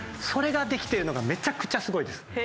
それができてるのがめちゃくちゃすごいです。